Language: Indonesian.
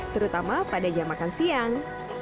terutama pada jam makan siang